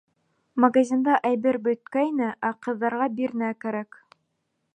Магазинда әйбер бөткәйне, ә ҡыҙҙарға бирнә кәрәк.